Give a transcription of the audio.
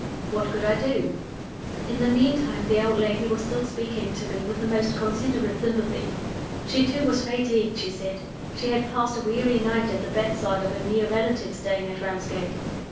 What could I do? In the meantime the old lady was still speaking to me with the most considerate sympathy. She too was fatigued, she said. She had passed a weary night at the bedside of a near relative staying at Ramsgate.